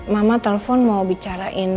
mama telepon mau bicarain